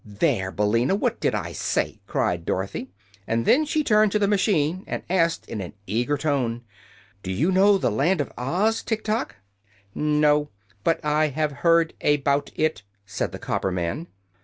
"There, Billina! what did I say?" cried Dorothy. And then she turned to the machine and asked in an eager tone: "Do you know the Land of Oz, Tiktok?" "No; but I have heard a bout it," said the cop per man.